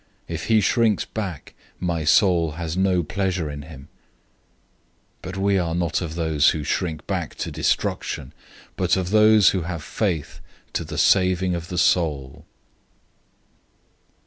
If he shrinks back, my soul has no pleasure in him."{Habakkuk 2:3 4} 010:039 But we are not of those who shrink back to destruction, but of those who have faith to the saving of the soul.